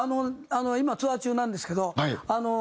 今ツアー中なんですけどええー！